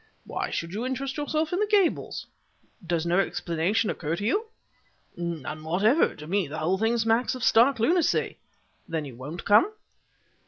"Why should you interest yourself in the Gables?" "Does no explanation occur to you?" "None whatever; to me the whole thing smacks of stark lunacy." "Then you won't come?"